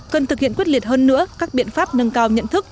cần thực hiện quyết liệt hơn nữa các biện pháp nâng cao nhận thức